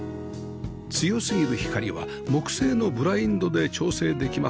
強すぎる光は木製のブラインドで調整できます